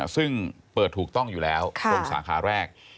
ซึ่งเปิดถูกต้องอยู่แล้วตรงสาขาแรก